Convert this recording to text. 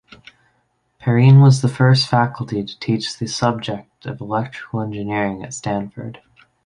Perrine was the first faculty to teach the subject of electrical engineering at Stanford.